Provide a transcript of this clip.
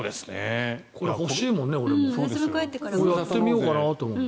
これ、俺も欲しいもんねやってみようかなと思う。